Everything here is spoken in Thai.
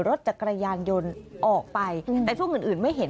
รถจักรยานยนต์ออกไปแต่ช่วงอื่นอื่นไม่เห็น